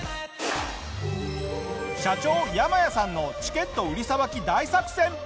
社長ヤマヤさんのチケット売りさばき大作戦。